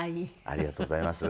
ありがとうございます。